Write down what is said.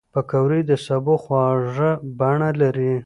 پکورې د سبو خواږه بڼه لري